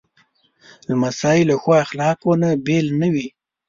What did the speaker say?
لمسی له ښو اخلاقو نه بېل نه وي.